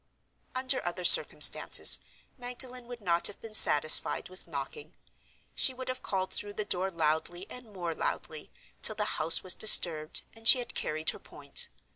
Under other circumstances, Magdalen would not have been satisfied with knocking—she would have called through the door loudly and more loudly, till the house was disturbed and she had carried her point.